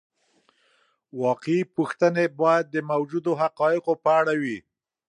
واقعي پوښتنې باید د موجودو حقایقو په اړه وي.